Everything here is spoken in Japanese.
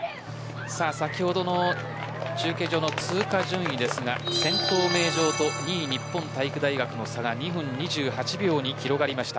先ほどの中継所の通過順位ですが先頭名城と２位日本体育大学の差が２分２８秒に広がりました。